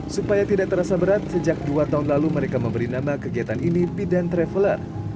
supaya tidak terasa berat sejak dua tahun lalu mereka memberi nama kegiatan ini bidan traveler